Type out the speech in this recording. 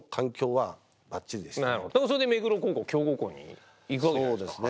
だからそれで目黒高校強豪校に行くわけじゃないですか。